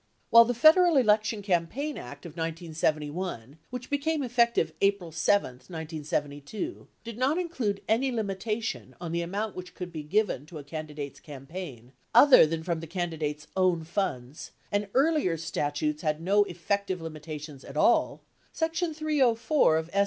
While the Federal Election Campaign Act of 1971 (which became effective April 7, 1972) 94 did not include any limitation on the amount which could be given to a candidate's cam paign (other than from the candidate's own funds), and earlier stat utes had no effective limitations at all, Section 304 of S.